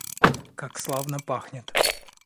Как славно пахнет!